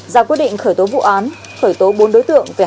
ra quyết định khởi tố vụ án khởi tố bốn đối tượng về hành vi trộm cắp tài sản